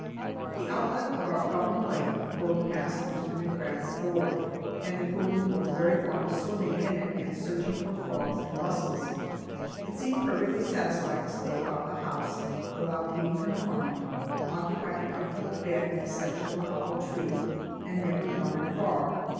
The outlet of our Fountain Lake flowed past Mr. McRath's door, and the coon was very fond of swimming in it and searching for frogs and mussels. It seemed perfectly satisfied to stay about the house without being confined, occupied a comfortable bed in a section of a hollow tree, and never wandered far.